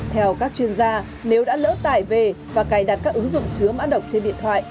theo các chuyên gia nếu đã lỡ tải về và cài đặt các ứng dụng chứa mã độc trên điện thoại